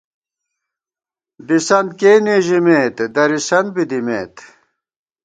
دِسنت کېنےژیمېت، درِیسن بی دیمېت